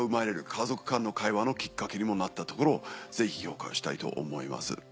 家族間の会話のきっかけにもなったところをぜひ評価したいと思います。